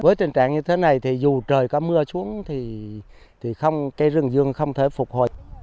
với tình trạng như thế này thì dù trời có mưa xuống thì cây rừng dương không thể phục hồi